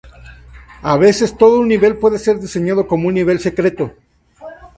A veces, todo un nivel puede ser diseñado como un nivel secreto.